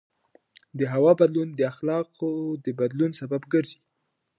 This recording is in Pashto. د هوا بدلون د اخلاقو د بدلون سبب ګرځي.